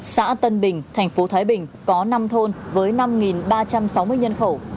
xã tân bình thành phố thái bình có năm thôn với năm ba trăm sáu mươi nhân khẩu